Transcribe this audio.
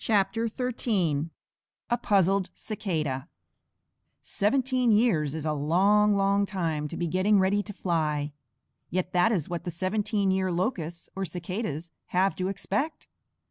A PUZZLED CICADA Seventeen years is a long, long time to be getting ready to fly; yet that is what the Seventeen year Locusts, or Cicadas, have to expect.